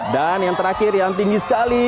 dan yang terakhir yang tinggi sekali